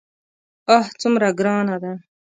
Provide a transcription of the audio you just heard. آه څومره ګرانه ده.